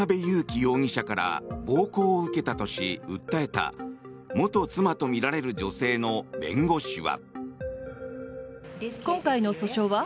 容疑者から暴行を受けたとし、訴えた元妻とみられる女性の弁護士は。